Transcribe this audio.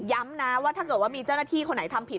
ย้ำนะว่าถ้าเกิดว่ามีเจ้าหน้าที่คนไหนทำผิด